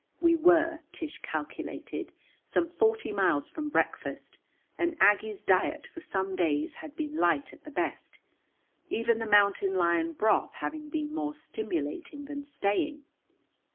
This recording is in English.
We were, Tish calculated, some forty miles from breakfast, and Aggie's diet for some days had been light at the best, even the mountain lion broth having been more stimulating than staying.